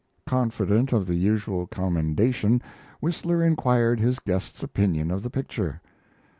Confident of the usual commendation, Whistler inquired his guest's opinion of the picture.